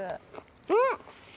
うん！